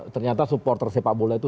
ternyata supporter sepak bola itu